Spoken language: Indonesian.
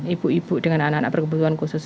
ibu ibu dengan anak anak berkebutuhan khusus